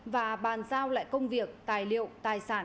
và bàn giao lại công việc tài liệu tài sản